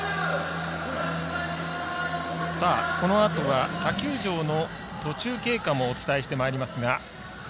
このあとは、他球場の途中経過もお伝えしてまいりますが。